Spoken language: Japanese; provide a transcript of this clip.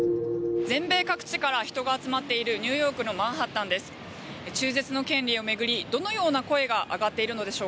全米各地から人が集まっているニューヨークのマンハッタンです。